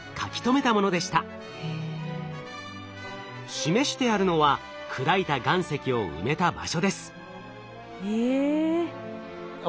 示してあるのは砕いた岩石を埋めた場所です。え。